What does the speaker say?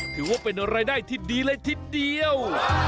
ถือว่าเป็นรายได้ที่ดีเลยทีเดียว